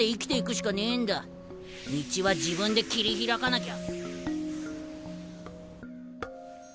道は自分で切り開かなきゃ。